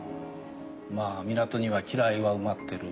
まあ港には機雷は埋まってる。